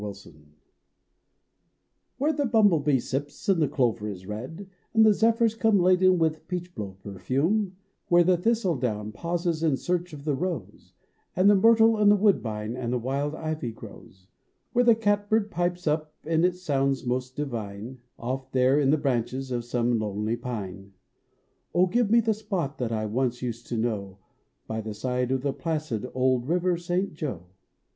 JOE Where the bumblebee sips and the clover is red, And the zephyrs come laden with peachblow perfume, Where the thistle down pauses in search of the rose And the myrtle and woodbine and wild ivy grows ; Where the cat bird pipes up and it sounds most divine Off there in the branches of some lonely pine. Oh, give me the spot that I once used to know Uv the side of the placid old River St. Joe